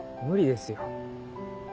無理ですよ。